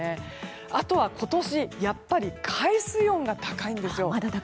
あとは今年やっぱり海水温が高いんですよ。